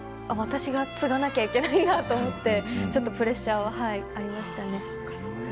私が継がなきゃいけないんだと思ってちょっとプレッシャーはありましたね。